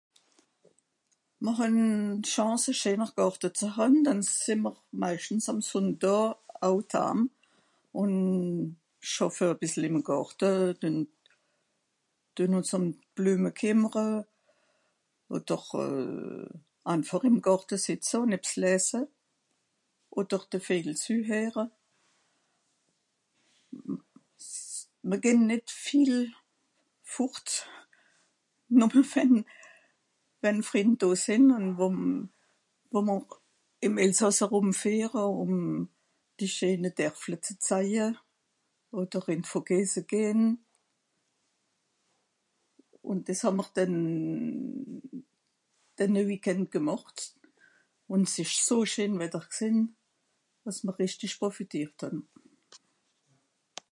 Mr hàn d Chance, e scheener Gàrte ze hàn, dànn si mr meischtens àm Sùnndàà au t haam ùn schaffe e bìssel ìm Gàrte, tuen, tuen ùns ùm d Blüeme küemmere oder euh anfàch ìm Gàrte sìtze un ebs läse oder de Vejel züheere. M'r gehn nìtt viel fùrt, nùmme fen, wenn Frìnd do sìnn ùn wo wo mr ìm Elsàss erùm füehre, ùm die scheene Derfle ze zaje oder in d Vogese gehn. Un diss hàm'r dem, denne Week-end gemàcht, un s ìsch so scheen Wetter gsin, dàss mr richtisch profitiert hàn